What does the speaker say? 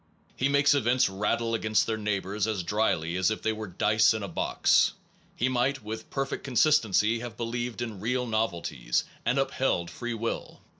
He makes events rattle against their neighbors as drily as if they were dice in a box. He might with perfect consistency have believed in real novelties, and upheld freewill.